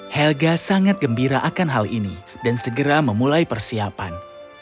helga sangat gembira akan hal ini dan segera memulai persiapan